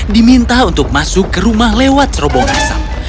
diminta untuk masuk ke rumah lewat cerobong asap